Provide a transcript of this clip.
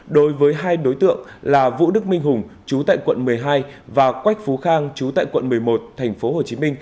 đối với hai đối tượng là vũ đức minh hùng chú tại quận một mươi hai và quách phú khang chú tại quận một mươi một tp hcm